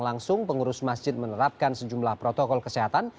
langsung pengurus masjid menerapkan sejumlah protokol kesehatan